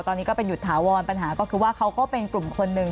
ตอนนี้ก็เป็นหยุดถาวรปัญหาก็คือว่าเขาก็เป็นกลุ่มคนหนึ่ง